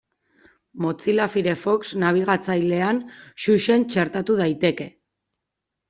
Mozilla Firefox nabigatzailean Xuxen txertatu daiteke.